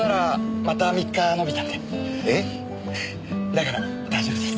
だから大丈夫です。